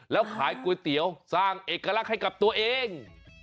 แล้วขายก๋วยเตี๋ยวสร้างเอกลักษณ์ให้กับตัวเอง